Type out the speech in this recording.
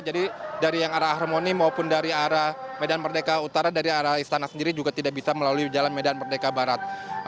jadi dari yang arah harmoni maupun dari arah medan merdeka utara dari arah istana sendiri juga tidak bisa melalui jalan medan merdeka barat